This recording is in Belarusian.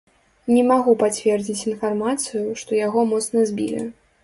Не магу пацвердзіць інфармацыю, што яго моцна збілі.